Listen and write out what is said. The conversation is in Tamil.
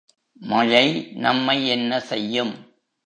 மழை நம்மை என்ன செய்யும்?